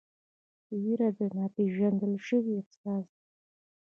ویره د ناپېژندل شوي احساس ده.